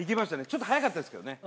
ちょっとはやかったですけどね